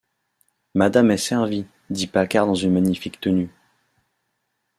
Madame est servie, dit Paccard dans une magnifique tenue.